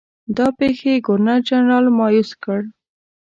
دا پیښې ګورنرجنرال مأیوس کړ.